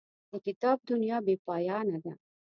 د کتاب دنیا بې پایانه ده.